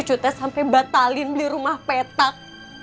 cucu teh sampai batalin beli rumah petak